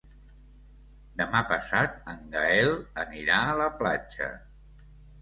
Demà passat en Gaël anirà a la platja.